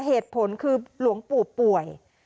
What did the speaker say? เหตุผลคือหลวงปู่ป่วย